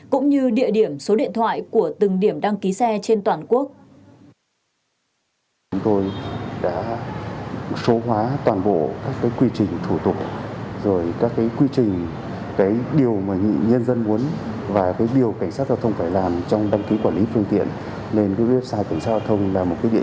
cũng như địa điểm số điện thoại